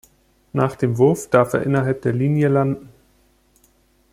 Nach dem Wurf darf er innerhalb der Linie landen.